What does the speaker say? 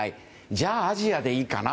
じゃあ、アジアでいいかな。